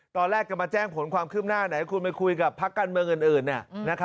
ตอนแรกจะมาแจ้งผลความขึ้มหน้าไหนคุณมาคุยกับพักกันโบิทย์อื่น